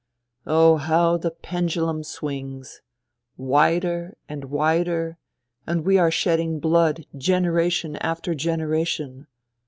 ... Oh, how the pendulum swings ! Wider and wider, and we are shedding blood genera tion after generation.